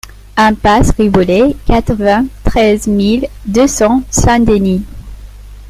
Impasse Riboulet, quatre-vingt-treize mille deux cents Saint-Denis